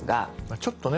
ちょっとね